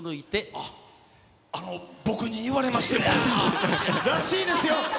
僕に言われましても。らしいですよ。